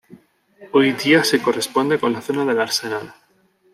Hoy día se corresponde con la zona del Arsenal.